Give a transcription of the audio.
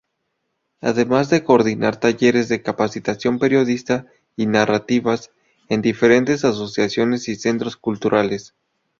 Además coordina talleres de capacitación periodística y narrativas en diferentes asociaciones y centros culturales.